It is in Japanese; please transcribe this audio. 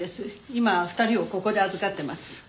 今２人をここで預かってます。